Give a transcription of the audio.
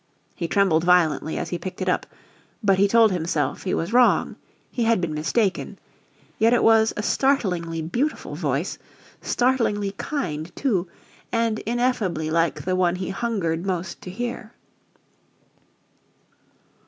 He trembled violently as he picked it up, but he told himself he was wrong he had been mistaken yet it was a startlingly beautiful voice; startlingly kind, too, and ineffably like the one he hungered most to hear.